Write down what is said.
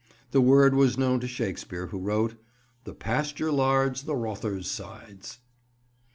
The word was known to Shakespeare, who wrote, "The pasture lards the rother's sides."